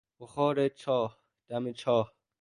بخار چاه، دم چاه